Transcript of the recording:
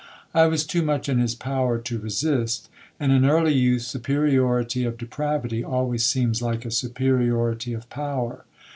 I was too much in his power to resist; and in early youth superiority of depravity always seems like a superiority of power.